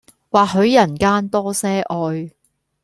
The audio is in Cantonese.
或許人間多些愛